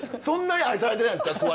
そんなに愛されてないんですか？